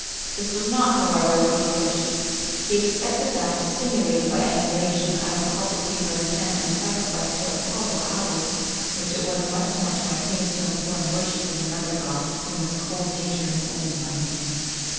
This was not, however, what he wished; he expected that, stimulated by emulation, I would call for paper and pen, and sacrifice to Apollo hours which it was much more to my taste to employ in worshipping another god whom his cold nature knew only by name.